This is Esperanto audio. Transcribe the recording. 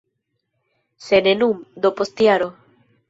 Se ne nun, do post jaro.